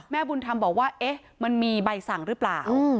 บุญธรรมบอกว่าเอ๊ะมันมีใบสั่งหรือเปล่า